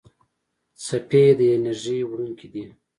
څپې د انرژۍ وړونکي دي.